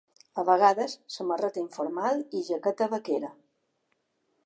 A vegades, samarreta informal i jaqueta vaquera.